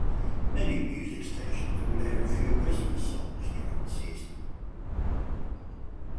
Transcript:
Many music stations would air a few Christmas songs during the season.